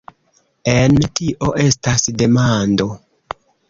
En tio estas demando!